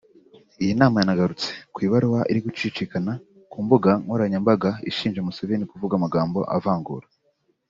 Iyi nama yanagarutse ku ibaruwa iri gucicikana ku mbuga nkoranyambaga ishinja Museveni kuvuga amagambo avangura